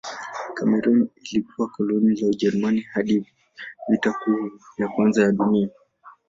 Kamerun ilikuwa koloni la Ujerumani hadi Vita Kuu ya Kwanza ya Dunia.